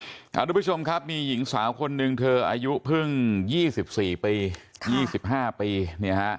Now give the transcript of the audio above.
สวัสดีครับทุกผู้ชมครับมีหญิงสาวคนหนึ่งเธออายุเพิ่ง๒๔ปี๒๕ปี